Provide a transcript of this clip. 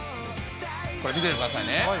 見ててくださいね。